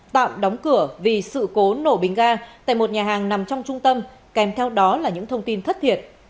tạm đóng cửa vì sự cố nổ bình ga tại một nhà hàng nằm trong trung tâm kèm theo đó là những thông tin thất thiệt